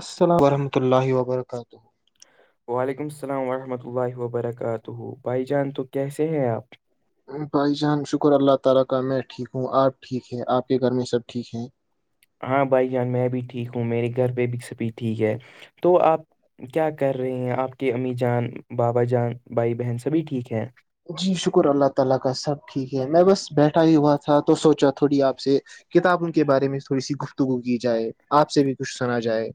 السلام ورحمۃ اللہ وبرکاتہ وعلیکم السلام ورحمۃ اللہ وبرکاتہ بھائی جان تو کیسے ہیں آپ بھائی جان شکر اللہ تعالی کا میں ٹھیک ہوں آپ ٹھیک ہے آپ کے گھر میں سب ٹھیک ہیں ہاں بھائی جان میں بھی ٹھیک ہوں میرے گھر پہ بھی سبھی ٹھیک ہے تو آپ کیا کر رہے ہیں آپ کے امی جان بابا جان بھائی بہن سبھی ٹھیک ہیں جی شکر اللہ تعالی کا سب ٹھیک ہے میں بس بیٹھا ہی ہوا تھا تو سوچا تھوڑی آپ سے کتابوں کے بارے میں تھوڑی سی گفتگو کی جائے آپ سے بھی کچھ سنا جائے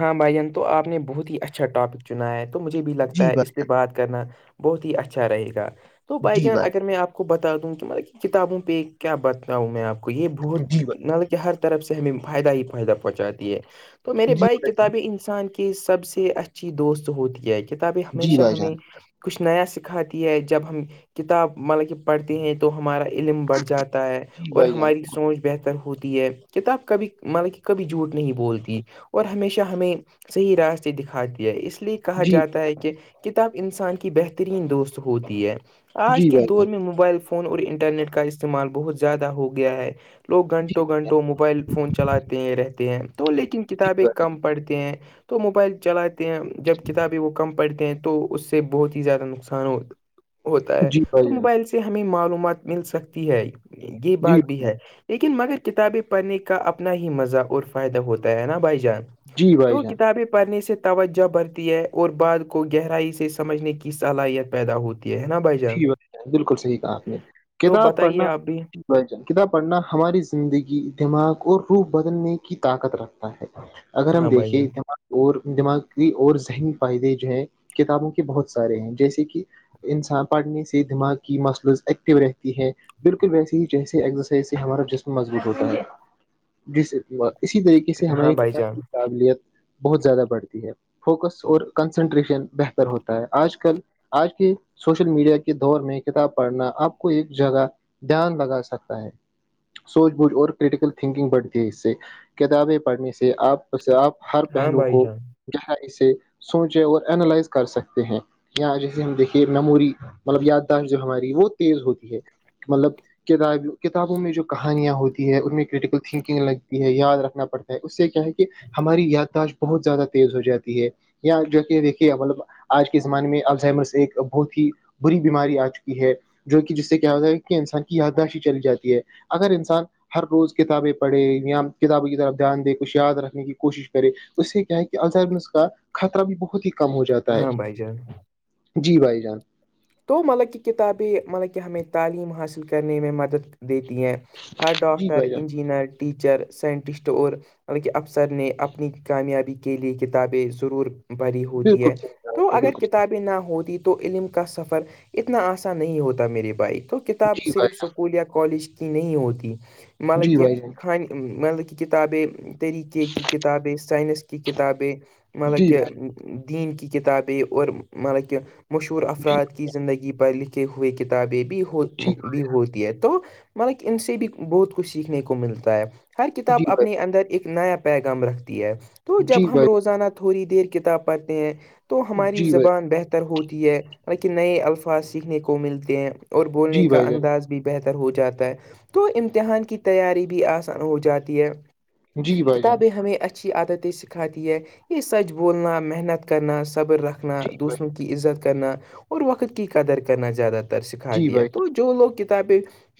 ہاں بھائی جان تو آپ نے بہت ہی اچھا ٹاپک چنایا ہے تو مجھے بھی لگتا جی ہے اس پہ بات کرنا بہت ہی اچھا رہے گا تو بھائی جان اگر میں آپ کو کو بتا دوں کہ مطلب کتابوں پہ کیا بتاؤں میں آپ کو یہ بھت جی بھائی ہر طرف سے ہمیں فائدہ ہی فائدہ پہنچاتی ہے تو میرے بھائی کتابیں انسان کے سب سے اچھی دوست ہوتی ہے کتابیں جی ہمیشہ بھائی ہمیں جان کچھ نیا سکھاتی ہے جب ہم کتاب مطلب کہ پڑھتے ہیں تو ہمارا علم بڑھ جاتا ہے جی اور بھائی جان ہماری سوچ بہتر ہوتی ہے کتاب کبھی مطلب کہ کبھی جھوٹ نہیں بولتی اور ہمیشہ ہمیں صحیح راستے دکھاتی ہے اس لیے کہا جی جاتا ہے کہ کتاب انسان کی بہترین دوست ہوتی ہے آج جی کے بھائی جان دور میں موبائل فون فون اور انٹرنیٹ کا استعمال بہت زیادہ ہو گیا ہے لوگ جی گھنٹوں گھنٹوں موبائل فون چلاتے ہیں رہتے ہیں تو لیکن جی کتابیں بھائی جان کم پڑھتے ہیں تو موبائل چلاتے ہیں جب کتابیں وہ کم پڑھتے ہیں تو اس سے بہت ہی زیادہ نقصان ہو ہوتا ہے جی تو بھائی جان موبائل سے ہمیں معلومات مل سکتی ہے یہ جی بات بھی ہے لیکن مگر کتابیں پڑھنے کا اپنا ہی مزہ اور فائدہ ہوتا ہے نا بھائی جان جی بھائی تو جان کتابیں پڑھنے سے توجہ برھتی ہے اور بعد کو گہرائی سے سمجھنے کی صلاحیت پیدا ہوتی ہے ہے نا بھائی جان بالکل صحیح کہا آپ نے تو کتاب بتائیے پڑھنا آپ بھی بھائی جان کتاب پڑھنا ہماری زندگی دماغ اور روح بدلنے کی طاقت رکھتا ہے اگر ہم ہاں بھائی دیکھیے جان اور دماغی اور ذہنی فائدے جو ہیں کتابوں کے بہت سارے ہیں جیسے کہ انسان پڑھنے سے دماغ کی مسلز ایکٹو رہتی ہے بالکل ویسے ہی جیسے ایکزرسائز سے ہمارا جسم مضبوط ہوتا ہے جس اسی طریقے سے ہاں ہماری بھائی جان قابلیت بہت زیادہ بڑھتی ہے فوکس اور کنسنٹریشن بہتر ہوتا ہے آج کل آج کے سوشل میڈیا کے دور میں کتاب پڑھنا آپ کو ایک جگہ دھیان لگا سکتا ہے سوچھ بوجھ اور کریٹیکل تھنکنگ بڑھتی ہے اس سے کتابیں پڑھنے سے آپ اس سے آپ ہر ہاں پہلو بھائی کو جان گہرائی سوچے اور اینالائز کر سکتے ہیں جیسے ہم دیکھیے مموری مطلب یادداشت جو ہماری وہ تیز ہوتی ہے کہ مطلب کتاب کتابوں میں جو کہانیاں ہوتی ہے ان میں کریٹیکل تھنکنگ لگتی ہے یاد رکھنا پڑتا اس سے کیا ہے کہ ہماری یادداشت بہت زیادہ تیز ہو جاتی ہے یا جو کہ دیکھیے مطلب آج کے زمانے میں الذیمیرس بہت ہی بری بیماری آ چکی ہے جو کہ جس سے کیا ہوتا ہے کہ انسان کی یادداشی چلی جاتی ہے اگر انسان ہر روز کتابیں پڑھے یا کتابوں کی طرف دھیان دے کچھ یاد رکھنے کی کوشش کرے اسے کیا ہے کہ اس کا خطر بھی بہت ہی کم ہو جاتا ہے ہاں بھائی جان جی بھائی جان تو مطلب کہ کتابیں مطلب کہ ہمیں تعلیم حاصل کرنے میں مدد دیتی ہیں ہر جی ڈاکٹر بھائی جان انجینر ٹیچر سائنٹسٹ اور بلکہ افسر نے اپنی کامیابی کے لیے کتابیں ضرور پڑی ہوتی بالکل ہے صحیح کہا تو آپ نے، اگر بالکل کتابیں نہ ہوتی تو علم کا سفر اتنا آسان نہیں ہوتا میری بھائی تو کتاب جی صرف بھائی سب اسکول یا کالج کی نہیں ہوتی جی مطلب کہ بھائی جان خان مطلب کہ کتابیں طریقے کی کتابیں سائنس کی کتاب مطلب جی کہ بھائی دین کی کتاب ہے اور مطلب کہ مشہور جی افراد کی زندگی پر لکھے ہوئے کتابیں بھی ہو جی بھی ہوتی ہے تو مطلب ان سے بھی بہت کچھ سیکھنے کو ملتا ہے ہر جی کتاب اپنے بھائی اندر ایک نیا پیغام رکھتی ہے تو جی جب ہم بھائی روزانہ تھوڑی دیر کتاب پڑھتے ہیں تو ہماری جی بھائی زبان بہتر ہوتی ہے لیکن نئے الفاظ سیکھنے کو ملتے ہیں اور بولنے جی کا بھائی جان انداز بھی بہتر ہو جاتا ہے تو امتحان کی تیاری بھی آسان ہو جاتی ہے جی بھائی جان کتابیں ہمیں اچھی عادتیں سکھاتی ہے یہ سچ بولنا محنت کرنا صبر رکھنا جی بھائی دوسروں کی عزت کرنا اور وقت کی قدر کرنا زیادہ تر جی سکھاتی ہے بھائی جان تو جو لوگ کتابیں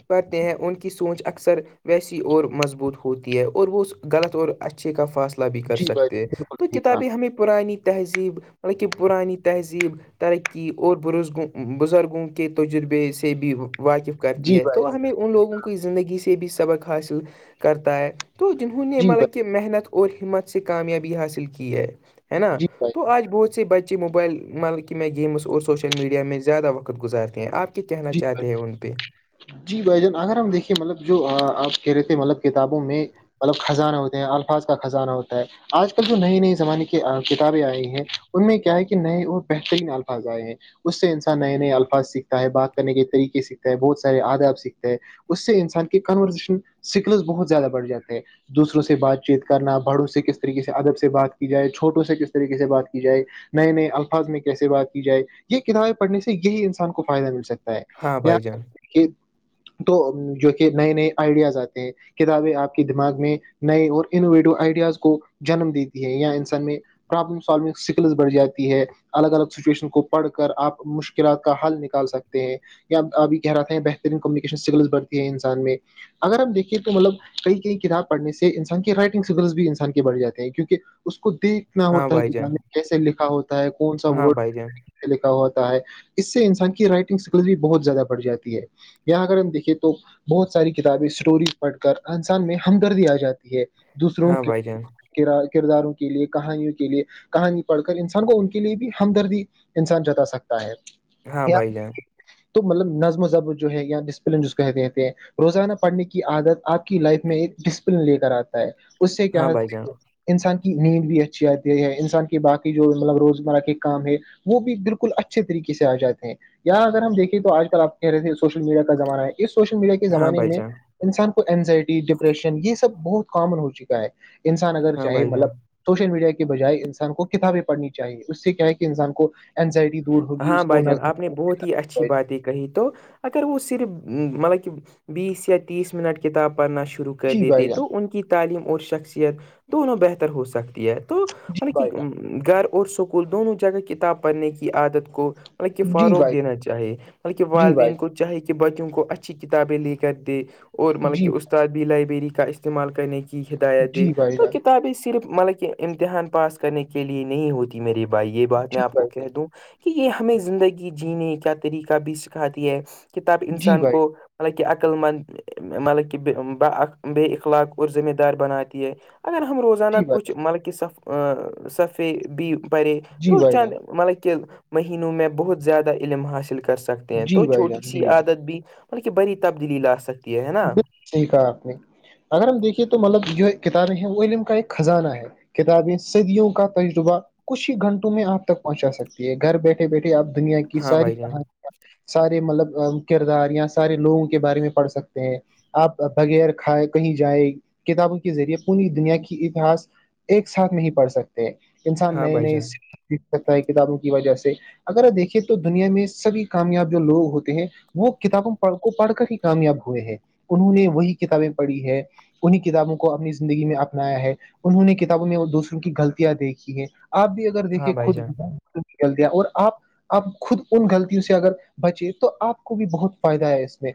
پڑھتے ہیں ان کی سوچ اکثر ویسی اور مضبوط ہوتی ہے اور وہ اس غلط اور اچھے کا فاصلہ بھی کر جی بھائی سکتے ہیں جان بالکل تو ٹھیک ہے کتابیں ہمیں پررانی تہذیب مطب کہ پررانی تہذیب ترقی اور برزگوں بزرگوں کے تجربے سے بھی واقف کرتی جی ہے بھائی تو جان ہمیں ان لوگوں کی زندگی سے بھی سبق حاصل کرتا ہے تو جنہوں نے جی بھائی ملب محنت اور ہمت سے کامیابی حاصل کی ہے ہے نا جی تو بھائی تو آج بہت سے بچے موبائل ملکی میں گیمس اور سوشل میڈیا میں زیادہ وقت گزارتے ہیں آپ کہنا جی چاہتے ہیں ان پہ جی بھ جان اگر ہم دیکھے مطلب جو آپ کہہ رہے تھے مطلب کتابوں میں مطلب خزانہ ہوتے ہیں الفاظ کا خزانہ ہوتا ہے آج کل جو نئی نئی زمانے کی کتابیں آئی ہیں ان میں کیا ہے کہ نئے اور بہترین الفاظ آئے ہیں اس سے انسان نئے نئے الفاظ سیکھ ستا ہے بات کرنے کے طریقے سیکھتا بہت سے آداب سیکھتا ہے اس سے انسان کے کنورزیشن اسکلز بہت زیادہ بڑھ جاتے ہیں دوسروں سے بات چیت کرنا بڑوں سے کس طریقے سے ادب سے بات کی جائے چھوٹوں سے کس طریقے سے بات کی جائے نئے نئے الفاظ میں کیسے بات کی جائے یہ کتابیں پڑھنے سے یہی انسان کو فائدہ مل سکتا ہے ہاں یا بھائی جان تو جو کہ نئے نئے آئیڈیاز آتے ہیں کتابیں آپ کے دماغ میں نئے اور انوویٹو آئیڈیاز کو جنم دیتی ہے یا انسان میں ابلم سالونگ سکلس بڑھ جاتی ہے الگ الگ سچویشن کو پڑھ کر آپ مشکلات کا حل نکل سکتے ہیں یا آب بھی کہہ رہے ہیں بہترین کمیونکیشن سگلس بڑھتی ہے انسان میں اگر ہم دیکھے تو مطلب کئی کئی کتاب پڑھ سے انسان کے رائٹنگ اسکلس بھی انسان کے بڑھ جاتے ہیں کیونکہ اس کو دیکھنا ہاں ہوتا ہے بھائی کہ میں جان نے کیسے لکھا ہوتا ہے کون سا ہاں ورڈ بھائی جان لکھا ہوتا ہے اس سے انسان کی رائٹنگ اسکل بھی بہت زیادہ بڑھ جاتی ہے یہاں اگر ہم دیکھے تو بہت ساری کتابیں اسٹوریز پڑھ کر انسان میں ہمدردی آ جاتی دوسروں ہاں کے بھائی جان کرداروں کے لیے کہانیوں کے لیے کہانی پڑھ کر انسان کو ان کے لیے بھی ہمدردی انسان جتا سکتا ہے ہاں یا بھائی جانیں تو مطلب نظم وضب جو ہے یا ڈسپلن ج کہتےتے ہیں روزانہ پڑھنے کی عادت آپ کی لائف میں ایک ڈسپلن لے کر آتا ہے اس سے کیا ہاں بھائی جان انسان کی نیند بھی اچھی آتی ہے انسان کے باقی جو مطلب روزمرہ کے کام ہے وہ بھی بالکل اچھے طریقے سے آ جاتے ہیں اں اگر ہم دیکھیں تو آج کل آپ کہہ رہے تھ سوشل میڈیا کا زمانہ ہے اس سوشل میڈیا کے ہاں زمانے بھائی میں جان انسان کو اینزائٹی ڈپریشن یہ سب بہت کامن ہو چکا ہے انسان اگر ہاں چاہے بھائی جان مطلب سوشل میڈیا کے بجائے انسان کو کتابیں پڑھنی چاہیے اس سے کیا ہے کہ انسان کو اینزائٹی دور ہوگی ہاں اس کو بھائی جان آپنی بہت اچھی نظم باتیں کہی تو اگر وہ صرف مطلب کہ بیس تیس منٹ کتاب پڑھنا شروع کر جی بھائی دیتے جان تو ان کی تعلیم اور شخصیت دونوں بہتر ہو سکتی ہے تو جی بھائی مطل گھر اور سکول دونوں جگہ کتاب پڑھنے کی عادت کو مطلب کہ جان جی فروغ بھائی دینا چاہے مطلب کہ جی بھائی والدین کو چاہے بچوں کو اچھی کتابیں لے کر دے اور مطلب کہ جی استاد بھی لائبریری کا استعمال کرنے کی ہدایت دے جی بھائی تو جان کتابیں صرف مطلب کہ امتحان پاس کرنے کے لیے نہیں ہوتی میرے بھائی یہ بات میں جی آ کو بھائی جان کہہ دوں کہ یہ ہمیں زندگی جینے کا طریقہ بھی سکھاتی ہے کتاب جی انسان بھائی کو مطالبک عقل مند مطلب کہ بے اخلاق اور ذمیں دار بناتی ہے اگر ہم روزانہ جی بھائی کچھ جان ملکہ صف صفی بھی پے جی تو بھائی چند جان مطلب کہ مہینوں میں بہت زیادہ علم حاصل کر سک سکتے ہیں تو جی بھائی چھوٹی جان سی جی بھائی عادت بھی مطل کہ بڑی تبدیلی لا سکتی ہے ہے نا صحی کہا آپ نے اگر ہم دیکھیے تو مطلب جو کتابیں ہیں وہ علم کا ایک خزانہ ہے کتابیں صدیوں کا تجربہ کچ ہی گھنٹوں میں آپ تک پہنچا سکتی ہے گھر بیٹھے بیٹھے آپ دنیا کے کی ہاں ساری بھائی جان کہانیاں سارے مطلب کردار یا سارے لوگوں کے بارے میں پڑھ سکتے آپ بغیر کھائے کہیں جائ کتابوں کے ذریعے پوری دنیا کی اتہاس ایک ساتھ نہیں پڑھ سکتے ہیں انسان ہاں نئے بھائی نئے جان سیکھ سکتا ہے کتابوں کی وجہ سے اگر دیکھیے تو دنیا میں سبھی کامیاب جو لوگ ہوتے ہیں وہ کتابوں پڑھ کو پڑھ کر ہی کامیاب ہوئے ہیں انہوں نے وہی کتابیں پڑھی ہے انہیں کتابوں کو اپنی زندگی میں اپنایا ہے انہوں نے کتابوں میں وہ دوسروں کی غلطیاں دیکھی ہے آپ بھی اگر دیکھے ہاں بھائی جان خودز کلتے ہیں اور آپ آپ خود ان غلطیوں سے اگر بچے تو آپ کو بھی بہت فائدہ ہے اس میں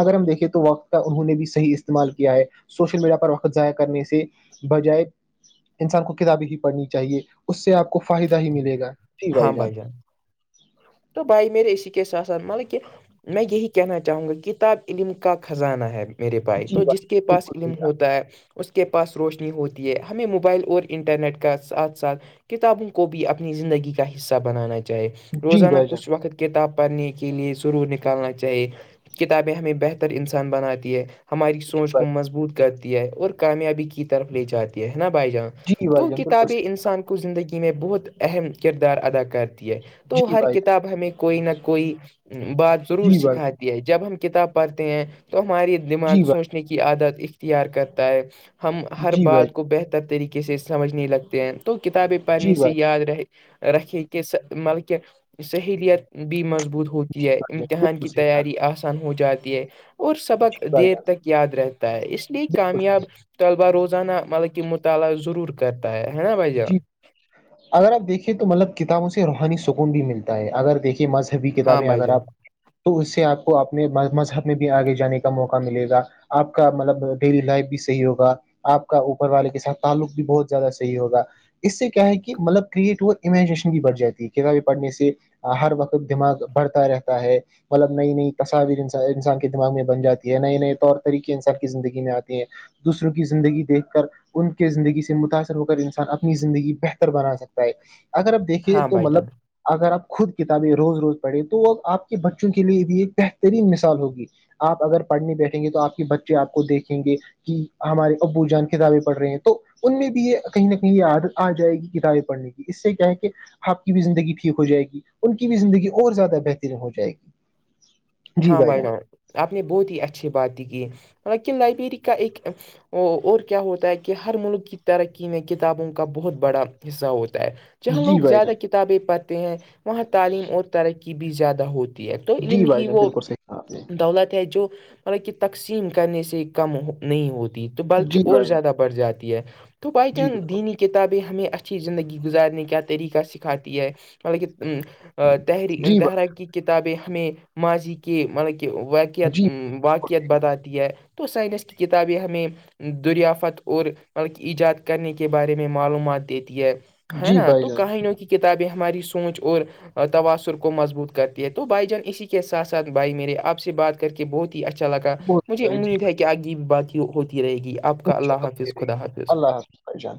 اگر ہم دیکھیں تو وقت کا انہوں نے بھی صح استعمال کیا ہے سوشل میڈیا پر وقت ضائع کرنے سے بجائے انسان کو کتابیں ہی پڑھنی چاہیے اس سے آپ کو فائدہ ہی ملے گا ہاں بھائی جان تو بائی میرے اسسی کی سسان مطلب کہ میں یہی کہنا چاہوں گا کتاب علم کا خزانہ ہے میرے پائے جی تو جس بھائی کے پاس بالکل علم صحیح کہا ہوتا ہے اس کے پاس روشنی ہوتی ہے ہمیں موبائل اور انٹرنیٹ کا ساتھ ساتھ کتابوں کو بھی اپنی زندگی کا حصہ بنانا چاہے جی روزانہ بھائی کچھ جان وقت کتاب پڑھنے کے لیے ضرور نکالنا چاہیے کتابیں ہمیں بہتر انسان بناتی ہے ہماری سوچ کو مضبوط کرتی ہے اور کامیابی کی طرف لے جاتی ہے نا بھائی جان تو کتابیں انسان کے زندگی میں بہت اہم کردار ادا کرتی ہے تو جی ہر بھائی کتاب ہمیں کوئی نہ کوئی بات ضرور جی بھائی جان بالکل صحیح کہا جی بھائی جان جی بھائی جان سکھاتی ہے جب ہم کتاب پڑھتے ہیں تو ہماری دماغ جی بھائی سوچنے کی عادت اختیار کرتا ہے ہم ہر جی بات کو بہتر طریقے سے سمجھ نہیں لگتے ہیں تو کتابیں پڑھنے بھائی جی سے بھائی یاد رہ رکھیں کہ مطلک سہیلیت بھی مضبوط جی ہوتی ہے بھائی جان امتحان بالکل کی صحیح کہا تیاری آس ہو جاتی ہے اور جی سبق بھائی دیر جان تک یاد رہتا ہے اس لیے بالکل کامیاب صحیح طلبا روزانہ مطلب کہ مطالعہ ضرور کرتا ہے نا بھائی جی جان اگر آپ دیکھیں تو مطلب کتابوں سے روحانی سکون بھی ملتا ہے اگر دیکھے مذہبی ہاں کتابیں بھائی اگر جان آپ تو اس سے آپ کو اپنے مذہب میں بھی آگے جانے کا موقع ملے گا آپ کا مطلب ڈیلی لائف بھی صحیح ہوگا آپ کا اوپر والے کے ساتھ تعلق بھی بہت زیادہ ہی ہوگا اس سے کیا ہے کہ مطلب کریٹ ہو امیجنیشن بھی بڑھ جاتی ہے کتابیں پڑنے سے ہر وقت دماغ بڑھتا رہتا ہے مطلب نئی نئی تصاویر انسان کے دماغ میں بن جاتی ہے نئے نئے طور طریقے انسان کی زندگی میں آتی ہیں دوسروں کی زندگی دیکھ کر ان کے زندگی سے متاثر ہو کر انسان اپنی زندگی بہتر بنا سکتا ہے اگر اپ دیکھیں ہاں تو بھائی جان مطلب اگر آپ خود کتابیں روز روز پڑھیں تو وہ آپ کے بچوں کے لیے بھی ایک بہترین مثال ہوگی آپ اگر پڑھنے بیٹھیں گے تو آپ کے بچے آپ کو دیکھیں گے کہ ہمارے ابو جان کتابیں پڑھ رہے ہیں تو ان میں بھی یہ کہیں نہ کہیں عدت آ جائے گی کتابیں پڑھنے کی اس سے کیا ہے کہ آپ کی بھی زندگی ٹھیک ہو جائے گی ان کی بھی زندگی اور زیادہ بہترین ہو جائے گی جی ہاں بھائی بھائیڈ جان آپ نے بہت ہی اچھی باتیں کی لطکن لائبریری کا ایک ا اور کیا ہوتا ہے کہ ہر ملک کی ترقی میں کتابوں کا بہت بڑا حصہ ہوتا ہے جہاں لوگ جی بھائی زیادہ جان کتابیں پڑھتے ہیں وہاں تعلیم اور ترقی بھی زیادہ ہوتی ہے تو جی ع بھائی ہی جان وہ بالکل صحیح کہا آپ نے دولت ہے جو مطلب کہ تقسیم کرنے سے کم نہیں ہوتی تو بلکہ جی اور بھائی جان زیادہ بڑھ جاتی ہے تو بائی جی چانس بالکل دینی کی کتابیں ہمیں اچھی زندگی گزارنے کا طریقہ سکھاتی ہے مطلب کہ تحری جی تحراک کی کتابیں ہمیں ماضی کے مطلب کہ بھائی جی واقعتا بالکل یت بتاتی ہے تو سائنس کی کتابیں ہمیں دریافت اور بلک ایجاد کرنے کے بارے میں معلومات دیتی ہے ہے جی نا بھائی تو جان کہیں نک کتابیں ہماری سوچ اور تواسر کو مضبوط کرتی ہے تو بھائی جان اسی ساتھ ساتھ بھائی میرے آپ سے بات کر کے بہت ہی اچھا لگا بہت مجھے اچھا جی امید ہے کہ آگ کی بات ہوتی رہے گی آپ کا اللہ حافظ خدا اللہ حافظ اللہ اچھا